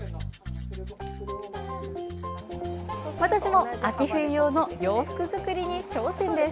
私も秋冬用の洋服作りに挑戦です。